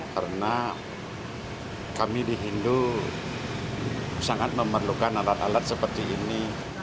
karena kami di hindu sangat memerlukan alat alat seperti ini